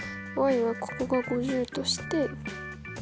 はここが５０として。